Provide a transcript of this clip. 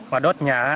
mà đốt nhà